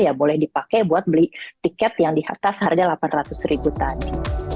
ya boleh dipakai buat beli tiket yang di atas harga rp delapan ratus ribu tadi